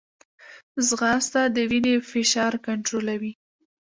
ځغاسته د وینې فشار کنټرولوي